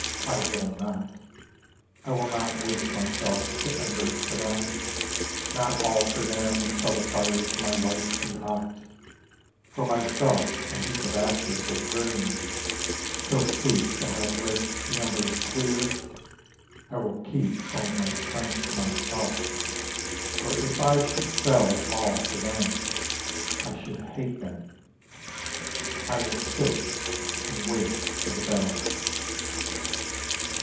I will not! I will not waste myself to embers for them, Not all for them shall the fires of my life be hot, For myself a heap of ashes of weariness, till sleep Shall have raked the embers clear: I will keep Some of my strength for myself, for if I should sell It all for them, I should hate them I will sit and wait for the bell.